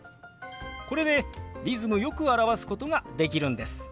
これでリズムよく表すことができるんです。